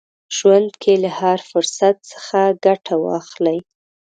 ژوند کې له هر فرصت څخه ګټه واخلئ.